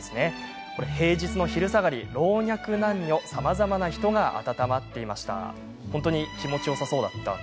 平日の昼下がり、老若男女さまざまな人が温まっていました。